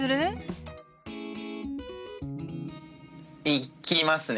いきますね。